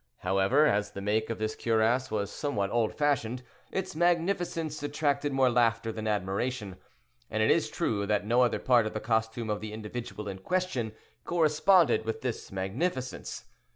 However, as the make of this cuirass was somewhat old fashioned, its magnificence attracted more laughter than admiration; and it is true that no other part of the costume of the individual in question corresponded with this magnificence.